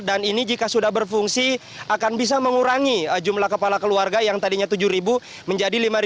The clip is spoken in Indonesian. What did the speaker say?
dan ini jika sudah berfungsi akan bisa mengurangi jumlah kepala keluarga yang tadinya tujuh menjadi lima